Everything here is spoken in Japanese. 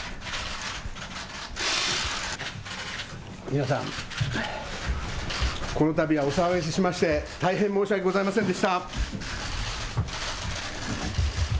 皆さん、このたびはお騒がせしまして、大変申し訳ございませんでした。